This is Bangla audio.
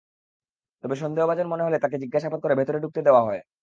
তবে সন্দেহভাজন মনে হলে তাকে জিজ্ঞাসাবাদ করে ভেতরে ঢুকতে দেওয়া হয়।